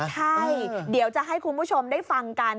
ใช่เดี๋ยวจะให้คุณผู้ชมได้ฟังกัน